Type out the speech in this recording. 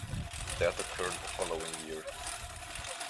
That occurred the following year.